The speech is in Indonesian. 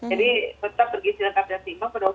jadi tetap pergi silahkan dari timbang